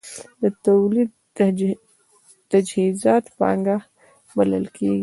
د تولید تجهیزات پانګه بلل کېږي.